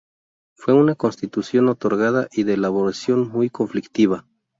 Fue una constitución otorgada y de elaboración muy conflictiva.